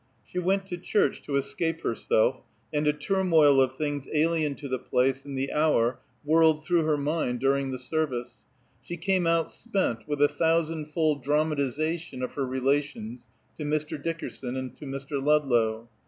She went to church, to escape herself, and a turmoil of things alien to the place and the hour whirled through her mind during the service; she came out spent with a thousand fold dramatization of her relations to Mr. Dickerson and to Mr. Ludlow.